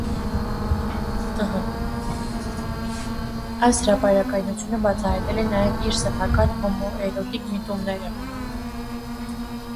Այս հրապարակայնությունը բացահայտել է նաև իր սեփական հոմոերոտիկ միտումները։